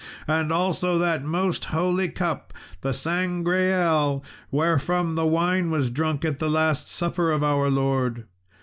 and also that most holy cup the Sangreal wherefrom the wine was drunk at the last supper of our Lord.